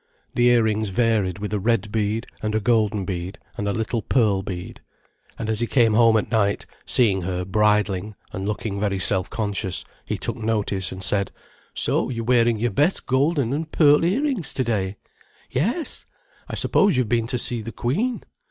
The ear rings varied with a red bead, and a golden bead, and a little pearl bead. And as he came home at night, seeing her bridling and looking very self conscious, he took notice and said: "So you're wearing your best golden and pearl ear rings, to day?" "Yes." "I suppose you've been to see the queen?"